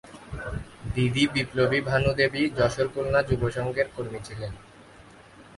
দিদি বিপ্লবী ভানু দেবী যশোর খুলনা যুব সংঘের কর্মী ছিলেন।